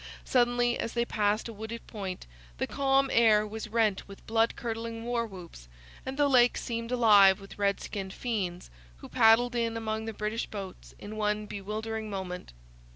Suddenly, as they passed a wooded point, the calm air was rent with blood curdling war whoops, and the lake seemed alive with red skinned fiends, who paddled in among the British boats in one bewildering moment.